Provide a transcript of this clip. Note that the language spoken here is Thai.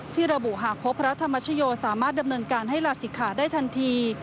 ที่ระบุหากพบพระธรรมชโยสามารถดำเนินการให้ลาศิกขาได้ทันที